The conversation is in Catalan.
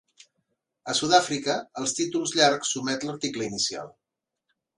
A Sud-àfrica, als títols llargs s'omet l'article inicial.